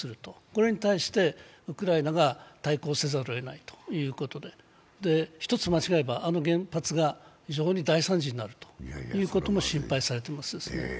これに対してウクライナが対抗せざるをえないということでひとつ間違えば、あの原発が非常に大惨事になることも心配されています。